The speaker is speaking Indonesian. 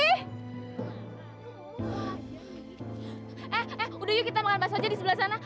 eh udah yuk kita makan bakso aja di sebelah sana